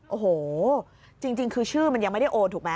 โอ้โหจริงคือชื่อมันยังไม่ได้โอนถูกไหม